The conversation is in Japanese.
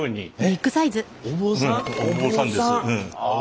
お坊さんです。